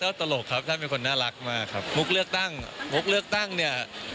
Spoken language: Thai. ก็ตลกครับท่านเป็นคนน่ารักมากครับมุกเลือกตั้งมุกเลือกตั้งเนี่ย